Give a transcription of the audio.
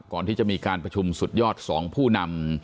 ก่อนที่จะมีการประชุมสุดยอด๒ผู้นำ